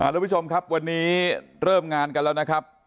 ทุกผู้ชมครับวันนี้เริ่มงานกันแล้วนะครับ